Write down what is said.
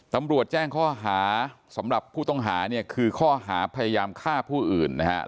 ตำรวจแจ้งข้อหาสำหรับผู้ต้องหาเนี่ยคือข้อหาพยายามฆ่าผู้อื่นนะครับ